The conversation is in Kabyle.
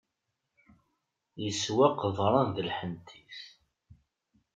Yeswa qeḍran d lḥentit.